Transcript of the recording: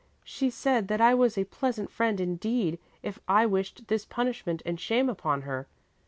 She said that I was a pleasant friend indeed, if I wished this punishment and shame upon her.